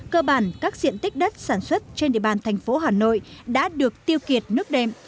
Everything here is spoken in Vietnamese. cơ bản các diện tích đất sản xuất trên địa bàn thành phố hà nội đã được tiêu kiệt nước đệm